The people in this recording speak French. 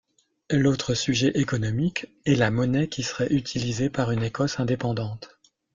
L'autre sujet économique est la monnaie qui serait utilisée par une Écosse indépendante.